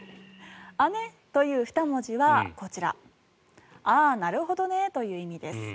「あね」という２文字はあーなるほどねという意味です。